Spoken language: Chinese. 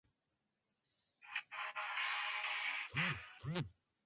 凝毛杜鹃为杜鹃花科杜鹃属下的一个变种。